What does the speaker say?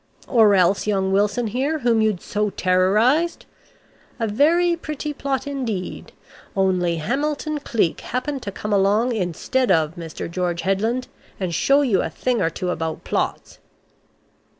Or else young Wilson here whom you'd so terrorized! A very pretty plot indeed, only Hamilton Cleek happened to come along instead of Mr. George Headland, and show you a thing or two about plots."